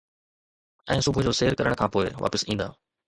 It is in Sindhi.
۽ صبح جو سير ڪرڻ کان پوءِ واپس ايندا.